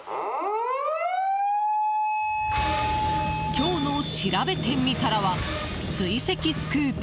今日のしらべてみたらは追跡スクープ。